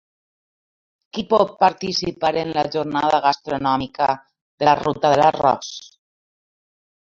Qui pot participar en la jornada gastronòmica de la ruta de l'arròs?